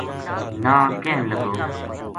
نا کہن لگو